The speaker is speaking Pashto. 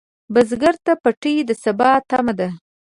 بزګر ته پټی د سبا تمه ده